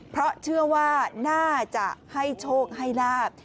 เพราะเชื่อว่าน่าจะให้โชคให้ลาบ